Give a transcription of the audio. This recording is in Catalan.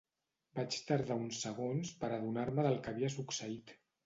Vaig tardar uns segons per adonar-me del que havia succeït.